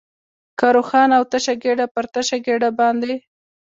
لکه روښانه او تشه ګېډه، پر تشه ګېډه باندې.